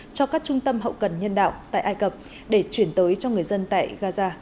cho các trung tâm hậu cần nhân đạo tại ai cập để chuyển tới cho người dân tại gaza